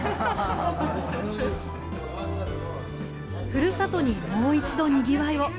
ふるさとにもう一度にぎわいを。